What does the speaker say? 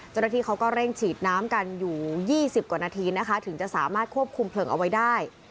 เจ้าหน้าที่เขาก็เร่งฉีดน้ำกันอยู่๒๐กว่านาทีนะคะถึงจะสามารถควบคุมเพลิงเอาไว้ได้